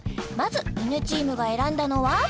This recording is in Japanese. まず犬チームが選んだのは？